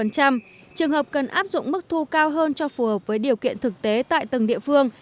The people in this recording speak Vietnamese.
trường hợp cần áp dụng mức thu cao hơn cho phù hợp với điều kiện thực tế tại từng địa phương